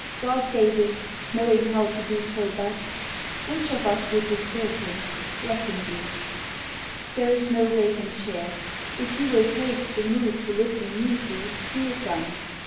God gave it, knowing how to do so best. Which of us would disturb him? Let him be. There is no vacant chair. If he will take The mood to listen mutely, be it done.